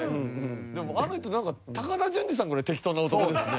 でもああ見るとなんか高田純次さんぐらい適当な男ですね。